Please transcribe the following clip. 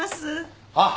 あっ。